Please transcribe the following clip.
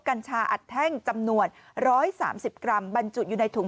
กัญชาอัดแท่งจำนวนร้อยสามสิบกรัมบรรจุดอยู่ในถุง